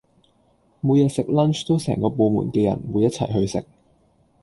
每日食 lunch 都成個部門嘅人會一齊去食